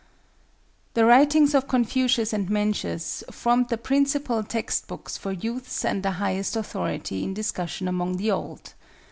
The writings of Confucius and Mencius formed the principal text books for youths and the highest authority in discussion among the old.